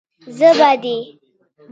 زه به دې.